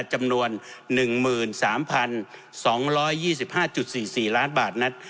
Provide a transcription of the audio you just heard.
จำนวนหนึ่งหมื่นสามพันสองร้อยยี่สิบห้าจุดสี่สี่ล้านบาทนั้น